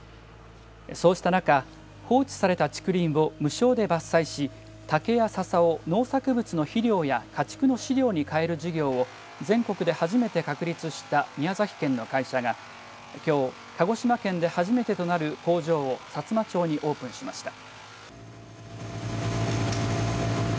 そうした中放置された竹林を無償で伐採し竹や笹を農作物の肥料や家畜の飼料に変える事業を全国で初めて確立した宮崎県の会社がきょう、鹿児島県で初めてとなる工場をさつま町にオープンしました。